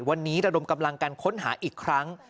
วันนี้ระดมกำลังการค้นหาอีกครั้ง